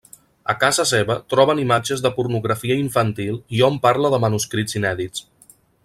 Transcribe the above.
A casa seva troben imatges de pornografia infantil i hom parla de manuscrits inèdits.